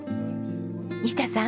西田さん。